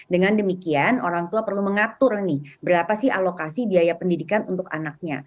dengan demikian orang tua perlu mengatur nih berapa sih alokasi biaya pendidikan untuk anaknya